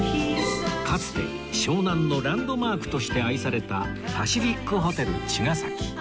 かつて湘南のランドマークとして愛されたパシフィックホテル茅ヶ崎